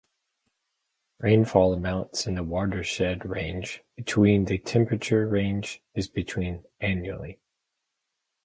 Rainfall amounts in the watershed range between and the temperature range is between annually.